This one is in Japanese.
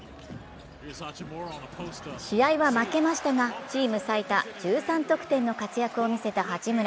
試合は負けましたが、チーム最多１３得点の活躍を見せた八村。